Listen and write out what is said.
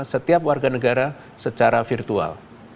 setiap warga negara secara virtual